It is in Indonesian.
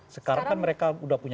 sekarang kan mereka udah punya dua